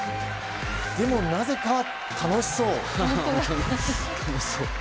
でもなぜか、楽しそう。